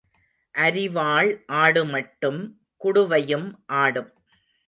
அரிவாள் ஆடுமட்டும் குடுவையும் ஆடும்.